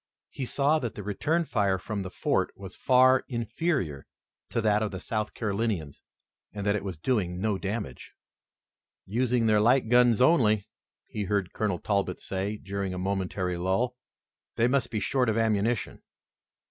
He saw that the return fire from the fort was far inferior to that of the South Carolinians, and that it was doing no damage. "Using their light guns only," he heard Colonel Talbot say during a momentary lull. "They must be short of ammunition."